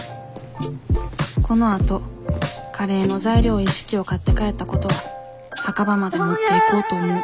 このあとカレーの材料一式を買って帰ったことは墓場まで持っていこうと思う